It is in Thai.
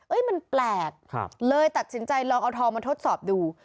มันแปลกเลยตัดสินใจลองเอาทองมาทดสอบดู